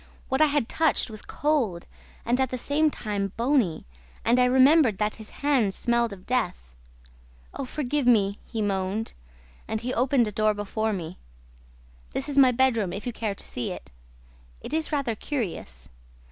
What I had touched was cold and, at the same time, bony; and I remembered that his hands smelt of death. 'Oh, forgive me!' he moaned. And he opened a door before me. 'This is my bedroom, if you care to see it. It is rather curious.'